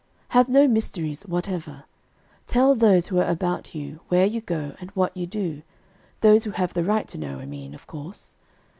Have no mysteries whatever. Tell those who are about you, where you go, and what you do, those who have the right to know, I mean, of course.